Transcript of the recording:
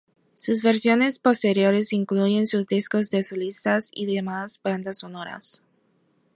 Sus versiones posteriores incluyen sus discos de solistas y demás bandas sonoras.